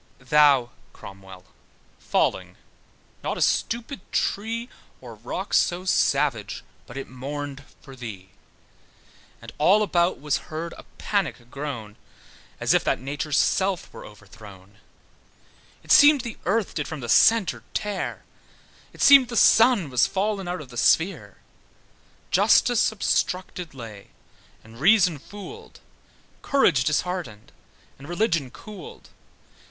Thou, Cromwell, falling, not a stupid tree, Or rock so savage, but it mourned for thee: And all about was heard a panic groan, As if that Nature's self were overthrown. It seemed the earth did from the centre tear; It seemed the sun was fall'n out of the sphere: Justice obstructed lay, and reason fooled; Courage disheartened, and religion cooled.